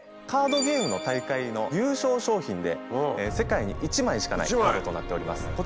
カードゲームの大会の優勝賞品で世界に１枚しかないということになっております。